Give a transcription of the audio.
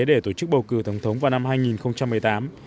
để tổ chức bầu cử tổng thống vào năm hai nghìn một mươi tám